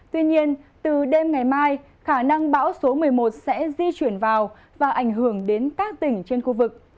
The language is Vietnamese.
trong hôm nay khả năng bão số một mươi một sẽ di chuyển vào và ảnh hưởng đến các tỉnh trên khu vực